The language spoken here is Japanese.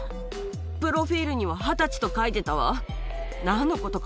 プロフィールには２０歳と書いてたわ。